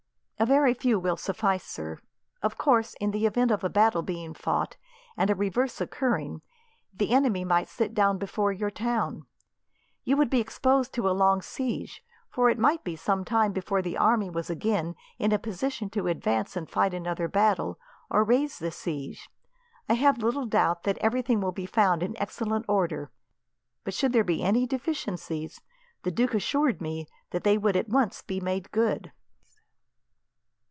"A very few will suffice, sir. Of course, in the event of a battle being fought and a reverse occurring, the enemy might sit down before your town. You would be exposed to a long siege, for it might be some time before the army was again in a position to advance and fight another battle, or raise the siege. I have little doubt that everything will be found in excellent order, but should there be any deficiencies, the duke assured me that they would be at once made good."